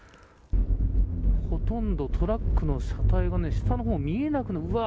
ほとんど、トラックの車体が下の方は見えない。